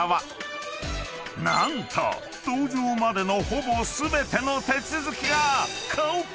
［何と搭乗までのほぼ全ての手続きが］